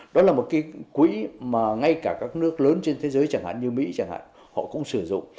đó là một cái quỹ mà ngay cả các nước lớn trên thế giới chẳng hạn như mỹ chẳng hạn họ cũng sử dụng